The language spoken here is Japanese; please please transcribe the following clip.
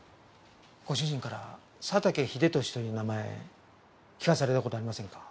ご主人から佐竹英利という名前聞かされた事ありませんか？